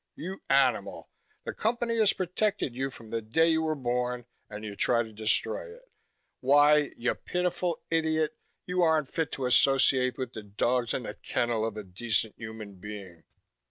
You animal, the Company has protected you from the day you were born, and you try to destroy it. Why, you pitiful idiot, you aren't fit to associate with the dogs in the kennel of a decent human being!"